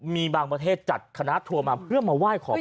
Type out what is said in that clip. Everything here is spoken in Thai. มีบางประเทศจัดคณะทัวร์มาเพื่อมาไหว้ขอพร